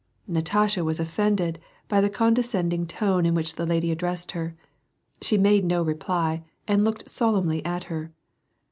Natasha was offended by the condescending tone in which the lady addressed her. She made no reply, and looked solemnly at her.